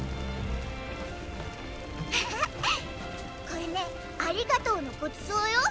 これねありがとうのごちそうよ。